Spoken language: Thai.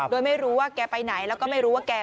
โดยไม่รู้ว่าแกไปไหนแล้วก็ไม่รู้ว่าแก